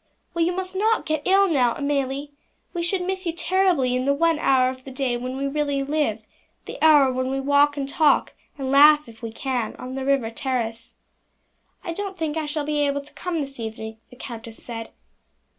"Well, you must not get ill now, Amelie. We should miss you terribly in the one hour of the day when we really live, the hour when we walk and talk, and laugh if we can, on the river terrace. "I don't think I shall be able to come this evening," the countess said.